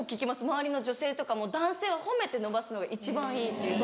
周りの女性とかも「男性は褒めて伸ばすのが一番いい」っていう。